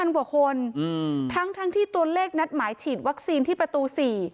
๒๐๐๐หัวคนทั้งที่ตัวเลขนัดหมายฉีดวัคซีนที่ประตู๔